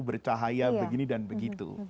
bercahaya begini dan begitu